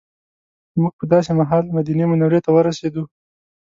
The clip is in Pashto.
موږ په داسې مهال مدینې منورې ته ورسېدو.